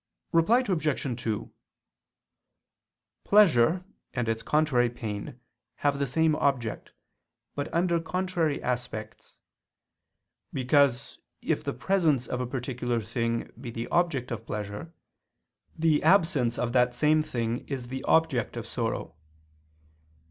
Reply Obj. 2: Pleasure and its contrary pain have the same object, but under contrary aspects: because if the presence of a particular thing be the object of pleasure, the absence of that same thing is the object of sorrow.